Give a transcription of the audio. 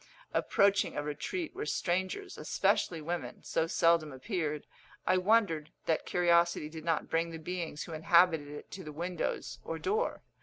Approaching a retreat where strangers, especially women, so seldom appeared, I wondered that curiosity did not bring the beings who inhabited it to the windows or door.